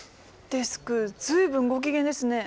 デスク随分ご機嫌ですね。